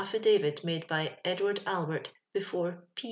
49] •ffidAYit made by Edward Albert before " P.